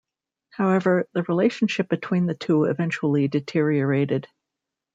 However, the relationship between the two eventually deteriorated.